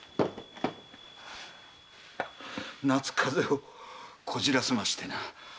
夏風邪をこじらせましてな。